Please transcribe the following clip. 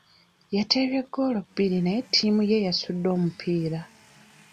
Yateebye ggoolo bbiri naye ttiimu ye yasudde omupiira.